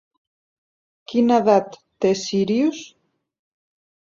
Quina edat té Sírius?